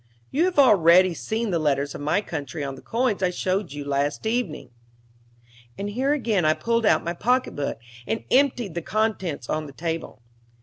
You have already seen the letters of my country on the coins I showed you last evening." And here I again pulled out my pocket book, and emptied the contents on the table.